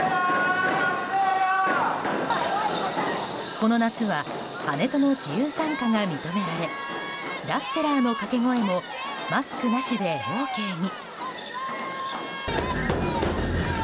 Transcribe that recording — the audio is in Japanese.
この夏はハネトの自由参加が認められラッセラーの掛け声もマスクなしでＯＫに。